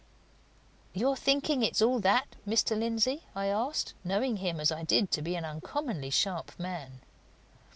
"You're thinking it's all that, Mr. Lindsey?" I asked, knowing him as I did to be an uncommonly sharp man.